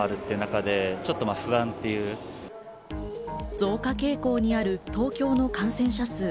増加傾向にある東京都の感染者数。